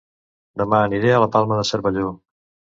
Dema aniré a La Palma de Cervelló